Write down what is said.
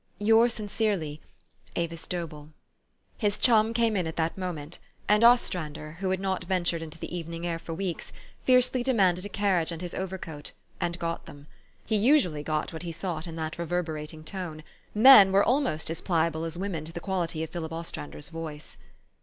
Yours sincerely, " AVIS DOBELL." His chum came in at that moment ; and Ostrander, who had not ventured into the evening air for weeks, fiercely demanded a carriage and his overcoat, and got them. He usually got what he sought in that reverberating tone. Men were almost as pliable as women to the quality of Philip Ostrander 's voice.